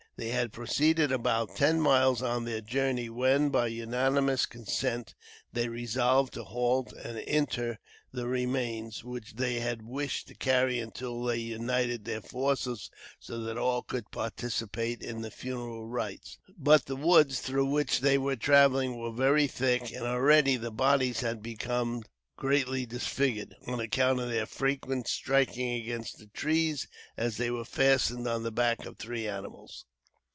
They had proceeded about ten miles on their journey, when, by unanimous consent, they resolved to halt and inter the remains, which they had wished to carry until they united their forces, so that all could participate in the funeral rites; but, the woods through which they were traveling were very thick, and already the bodies had become greatly disfigured, on account of their frequently striking against the trees, as they were fastened on the backs of three animals.